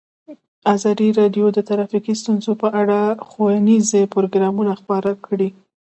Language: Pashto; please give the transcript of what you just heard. ازادي راډیو د ټرافیکي ستونزې په اړه ښوونیز پروګرامونه خپاره کړي.